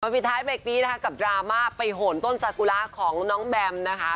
ปิดท้ายเบรกนี้นะคะกับดราม่าไปโหนต้นสากุระของน้องแบมนะคะ